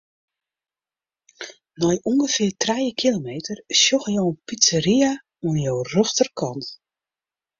Nei ûngefear trije kilometer sjogge jo in pizzeria oan jo rjochterkant.